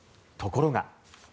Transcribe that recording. ところが。